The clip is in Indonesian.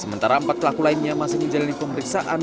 sementara empat pelaku lainnya masih menjalani pemeriksaan